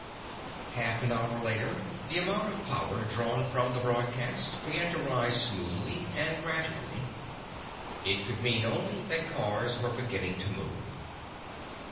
Half an hour later, the amount of power drawn from the broadcast began to rise smoothly and gradually. It could mean only that cars were beginning to move.